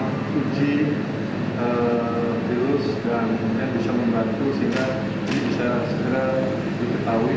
dan mungkin bisa membantu sehingga ini bisa segera diketahui